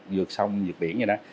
vượt sông vượt biển vậy đó